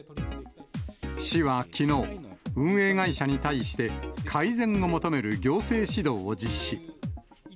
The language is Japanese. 市はきのう、運営会社に対して、改善を求める行政指導を実施。